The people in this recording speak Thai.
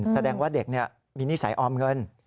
แสดงว่าเด็กมีนิสัยออมเงิน